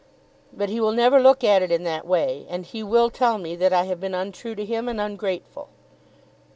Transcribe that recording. "But he will never look at it in that way; and he will tell me that I have been untrue to him and ungrateful."